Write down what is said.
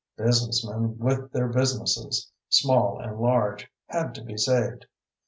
Businessmen with their businesses, small and large, had to be saved.